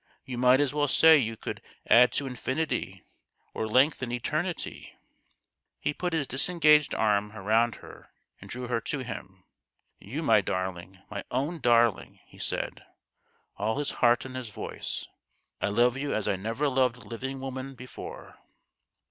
" You might as well say you could add to infinity or lengthen eternity !" He put his disengaged arm round her and drew her to him. u My darling, my own darling," he said, all his heart in his voice ;" I love you as I never loved living woman before."